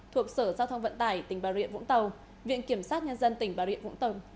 thuộc sở giao thông vận tải tỉnh bà rịa vũng tàu viện kiểm sát nhân dân tỉnh bà rịa vũng tàu